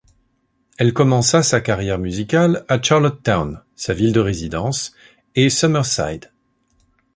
Elle commença sa carrière musicale à Charlottetown, sa ville de résidence, et Summerside.